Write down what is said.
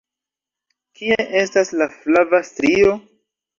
Kie estas la flava strio?